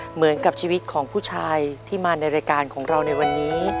เหมือนกับชีวิตของผู้ชายที่มาในรายการของเราในวันนี้